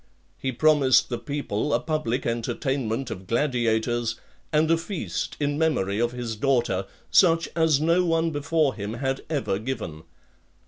He promised the people a public entertainment of gladiators, and a feast in memory of his daughter, such as no one before him had ever given.